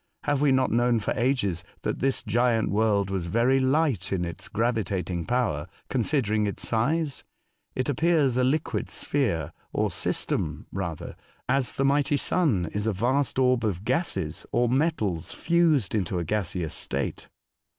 " Have we not known for ages, that this giant world was very light in its gravitating power, considering its size ? It appears a liquid sphere, or system rather, as the mighty Sun is a vast orb of gases or metals fused into a gaseous state.